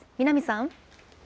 南さん。